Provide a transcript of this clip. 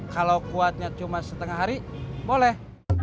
kalau kuatnya cuma setengah hari boleh